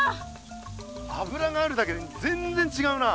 油があるだけでぜんぜんちがうな！